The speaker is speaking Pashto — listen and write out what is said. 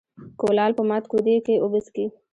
ـ کولال په مات کودي کې اوبه څکي.